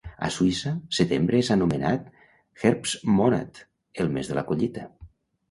A Suïssa, setembre és anomenat "Herbstmonat", el mes de la collita.